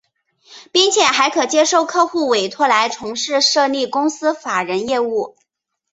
并且还可接受客户委托来从事设立公司法人业务。